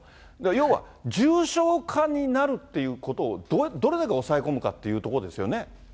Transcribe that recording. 要は重症化になるっていうことをどれだけ抑え込むかっていうとこそうですね。